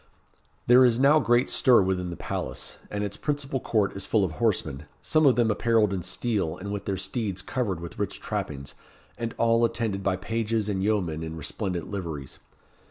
There is now great stir within the palace, and its principal court is full of horsemen, some of them apparelled in steel, and with their steeds covered with rich trappings, and all attended by pages and yeomen in resplendent liveries.